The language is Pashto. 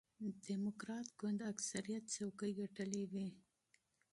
ډیموکراټ ګوند اکثریت څوکۍ ګټلې وې.